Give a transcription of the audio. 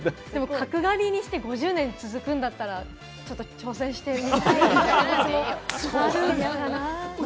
角刈りにして５０年続くんだったら、ちょっと挑戦してみたいなと思いますけども。